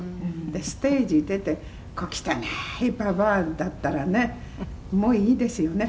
「でステージに出て小汚いババアだったらねもういいですよね。